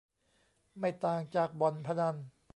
ไม่ต่างจากบ่อนพนัน